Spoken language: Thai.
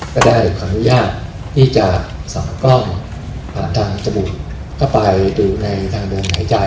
ก็ได้ขออนุญาตที่จะสอดกล้องทางจมูกเข้าไปดูในทางเดินหายใจ